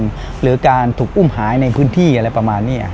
ที่ที่สำนักการนอะไรประมาณนี้